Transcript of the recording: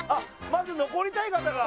まず残りたい方が。